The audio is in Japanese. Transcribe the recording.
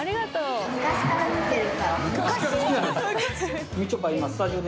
「昔から見てる」。